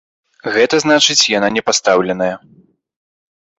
Гэта значыць, яна не пастаўленая.